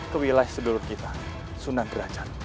ke wilayah sedulur kita sunan derajat